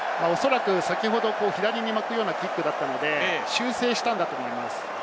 先ほど左に巻くようなキックだったので、修正したんだと思います。